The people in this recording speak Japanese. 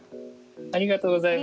ありがとうございます。